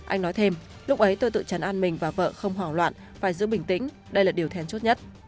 anh nói thêm lúc ấy tôi tự chấn an mình và vợ không hoảng loạn phải giữ bình tĩnh đây là điều thèn chốt nhất